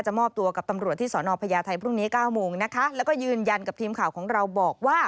มอบตัวกับตำรวจที่สอนอพญาไทยพรุ่งนี้เก้าโมงนะคะแล้วก็ยืนยันกับทีมข่าวของเราบอกว่า